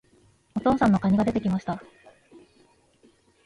お父さんの蟹が出て来ました。